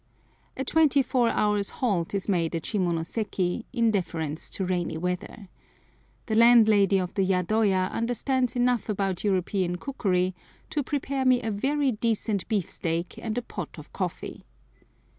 A twenty four hours' halt is made at Shimonoseki in deference to rainy weather. The landlady of the yadoya understands enough about European cookery to prepare me a very decent beefsteak and a pot of coffee.